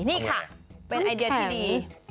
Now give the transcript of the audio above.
นี่ค่ะเป็นไอเดียที่ดี